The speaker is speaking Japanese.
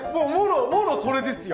もろそれですよ。